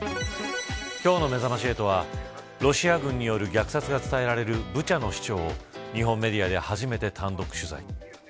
今日のめざまし８はロシア軍による虐殺が伝えられるブチャの市長を日本メディアで初めて単独取材。